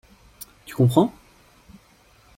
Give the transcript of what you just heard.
Tu comprends?